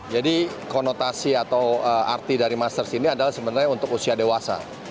jadi konotasi atau arti dari master swimming ini adalah sebenarnya untuk usia dewasa